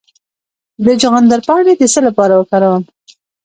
د چغندر پاڼې د څه لپاره وکاروم؟